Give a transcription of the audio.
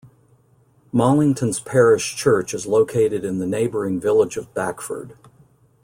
Mollington's parish church is located in the neighbouring village of Backford.